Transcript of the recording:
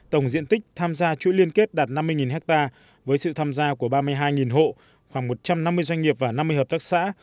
tổng diện tích tham gia chuỗi liên kết đạt năm mươi ha với sự tham gia của ba mươi hai hộ khoảng một trăm năm mươi doanh nghiệp và năm mươi hợp tác xã